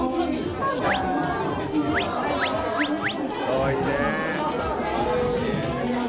かわいいね。